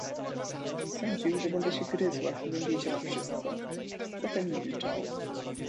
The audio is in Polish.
"Sądził, że będę się gryzła, gdybym wiedziała wszystko, zatem milczał."